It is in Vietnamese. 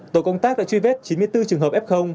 tổ công tác đã truy vết chín mươi bốn trường hợp f